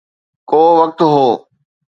ڪو وقت هو.